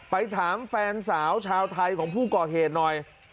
ไปถามแฟนสาวชาวไทยของผู้ก่อเหตุหน่อย